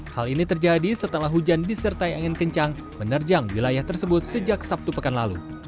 hal ini terjadi setelah hujan disertai angin kencang menerjang wilayah tersebut sejak sabtu pekan lalu